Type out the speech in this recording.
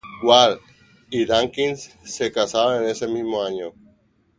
Ward y Dawkins se casaron en ese mismo año.